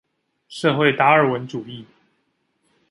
社會達爾文主義